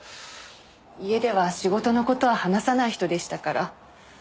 家では仕事の事を話さない人でしたから。